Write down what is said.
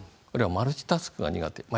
マルチタスクが苦手です。